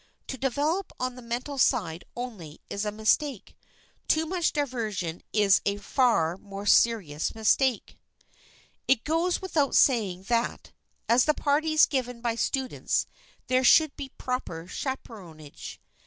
To develop on the mental side only is a mistake. Too much diversion is a far more serious mistake. It goes without saying that, at the parties given by students, there should be proper chaperonage.